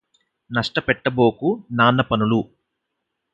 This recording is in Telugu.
నష్టపెట్టబోకు నాన్నపనులు